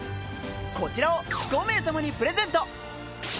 こちらを５名様にプレゼント。